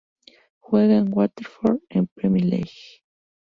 Juega en Watford en Premier League.